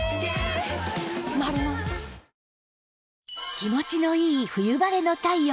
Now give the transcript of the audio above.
気持ちのいい冬晴れの太陽